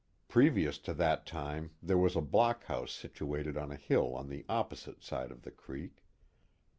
Pre vious to that time there was a block house situated on a hill on the opposite side of the creek.